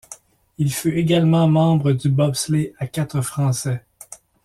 Il fut également membre du bobsleigh à quatre français.